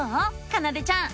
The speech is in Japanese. かなでちゃん。